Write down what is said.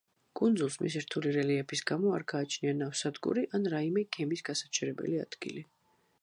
კუნძულს, მისი რთული რელიეფის გამო არ გააჩნია ნავსადგური ან რაიმე გემის გასაჩერებელი ადგილი.